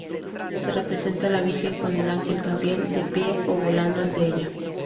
Se representa la Virgen con el Angel Gabriel de pie o volando ante ella.